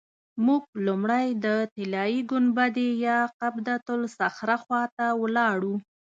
موږ لومړی د طلایي ګنبدې یا قبة الصخره خوا ته ولاړو.